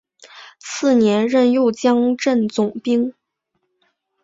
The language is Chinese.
次年任右江镇总兵。